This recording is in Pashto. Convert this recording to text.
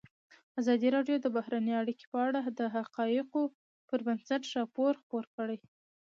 ازادي راډیو د بهرنۍ اړیکې په اړه د حقایقو پر بنسټ راپور خپور کړی.